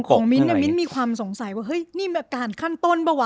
ยังของมิ้นมิ้นมีความสงสัยว่าเฮ้ยนี่แบบการขั้นต้นบ้างวะ